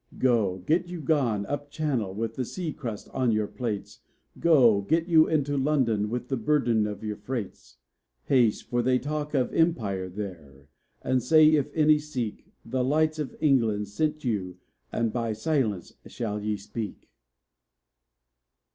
Go, get you gone up Channel with the sea crust on your plates; Go, get you into London with the burden of your freights! Haste, for they talk of Empire there, and say, if any seek, The Lights of England sent you and by silence shall ye speak.